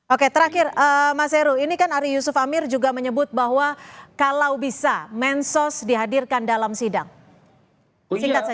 oke terakhir mas heru ini kan ari yusuf amir juga menyebut bahwa kalau bisa mensos dihadirkan dalam sidang